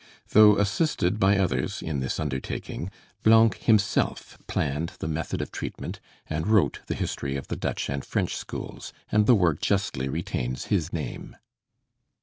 Though assisted by others in this undertaking, Blanc himself planned the method of treatment, and wrote the history of the Dutch and French schools; and the work justly retains his name.